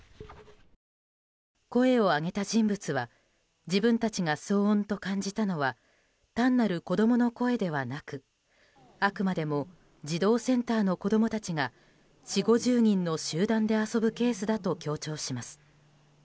声を上げた人物は自分たちが騒音と感じたのは単なる子供の声ではなくあくまでも児童センターの子供たちが４０５０人の集団で遊ぶケースだと強調します。